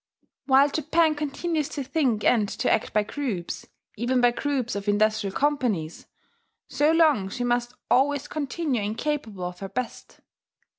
While Japan continues to think and to act by groups, even by groups of industrial companies, so long she must always continue incapable of her best.